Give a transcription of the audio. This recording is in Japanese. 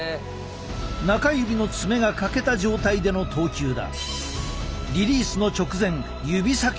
中指の爪が欠けた状態での投球だ。